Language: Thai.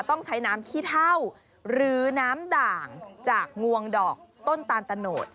ต้องใช้น้ำขี้เท่าหรือน้ำด่างจากงวงดอกต้นตาลตะโนด